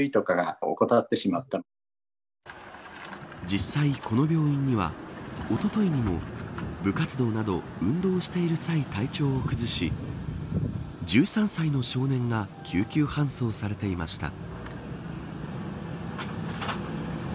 実際、この病院にはおとといにも、部活動など運動している際、体調を崩し１３歳の少年が救急搬送されていました。